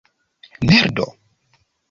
merdo